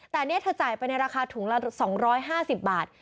แต่อันนี้เธอจ่ายไปในราคาถุงละ๒๕๐บาท